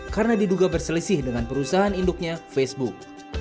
karena diduga berselisih dengan perusahaan induknya facebook